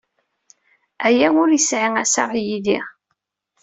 Aya ur yesɛi assaɣ yid-i.